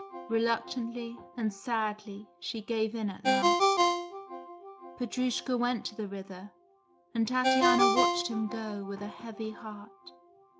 Reluctantly and sadly she gave in at last. Petrushka went to the river, and Tatiana watched him go with a heavy heart.